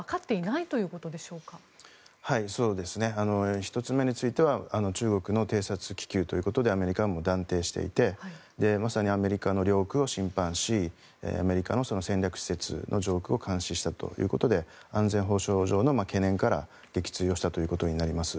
１つ目については中国の偵察気球ということでアメリカは断定していてまさにアメリカの領空を侵犯しアメリカの戦略施設の上空を監視したということで安全保障上の懸念から撃墜をしたということになります。